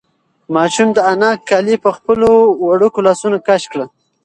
ماشوم د انا کالي په خپلو وړوکو لاسونو کش کړل.